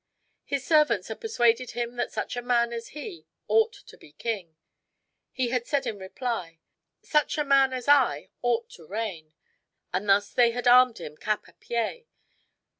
His servants had persuaded him that such a man as he ought to be king; he had said in reply, "Such a man as I ought to reign"; and thus they had armed him cap à pie.